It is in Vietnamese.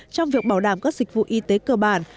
trong việc bảo đảm các dịch vụ y tế cơ bản